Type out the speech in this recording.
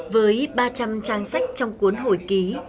với ba trăm linh trang sách trong cuốn hội ký